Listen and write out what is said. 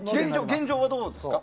現状はどうですか？